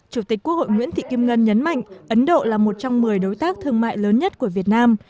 chủ tịch quốc hội nguyễn thị kim ngân nhấn mạnh ấn độ là một trong một mươi đối tác thương mại lớn nhất của việt nam